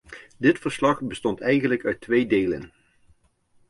Dit verslag bestond eigenlijk uit twee delen.